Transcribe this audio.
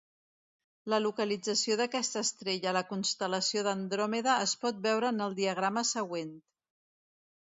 La localització d'aquesta estrella a la constel·lació d'Andròmeda es pot veure en el diagrama següent.